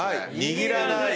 握らない。